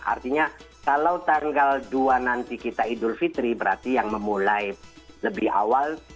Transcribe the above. artinya kalau tanggal dua nanti kita idul fitri berarti yang memulai lebih awal